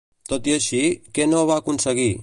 Tot i així, què no va aconseguir?